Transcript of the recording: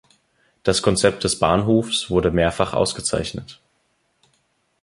Das Konzept des Bahnhofs wurde mehrfach ausgezeichnet.